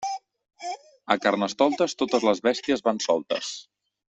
A Carnestoltes totes les bèsties van soltes.